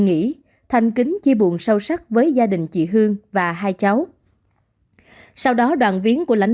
nghỉ thanh kính chi buồn sâu sắc với gia đình chị hương và hai cháu sau đó đoàn viếng của lãnh